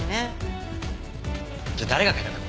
じゃあ誰が書いたんだ？